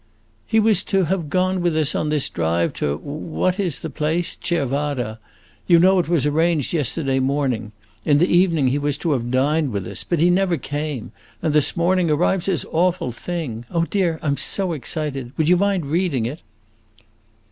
"He was to have gone with us on this drive to what is the place? to Cervara. You know it was arranged yesterday morning. In the evening he was to have dined with us. But he never came, and this morning arrives this awful thing. Oh dear, I 'm so excited! Would you mind reading it?"